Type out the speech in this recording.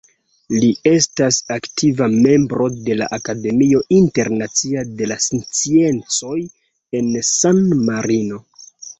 Li estas aktiva membro de la Akademio Internacia de la Sciencoj en San Marino.